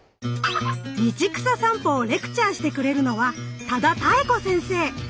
道草さんぽをレクチャーしてくれるのは多田多恵子先生。